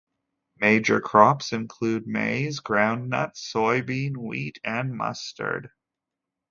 Major crops include maize, groundnut, soybean, wheat, and mustard.